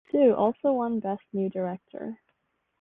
Hsu also won Best New Director.